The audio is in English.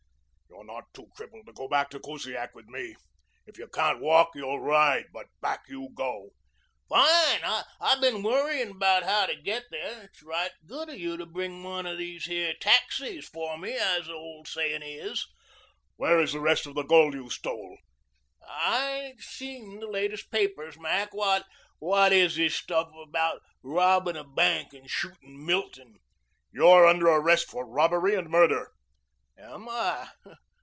"You're not too crippled to go back to Kusiak with me. If you can't walk, you'll ride. But back you go." "Fine. I been worrying about how to get there. It's right good of you to bring one of these here taxis for me, as the old sayin' is." "Where is the rest of the gold you stole?" "I ain't seen the latest papers, Mac. What is this stuff about robbin' a bank and shootin' Milton?" "You're under arrest for robbery and murder." "Am I?